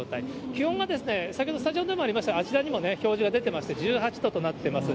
気温は先ほど、スタジオでもありましたが、あちらにも表示が出てまして、１８度となっています。